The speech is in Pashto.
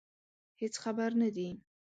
هېڅ خبر نه دي.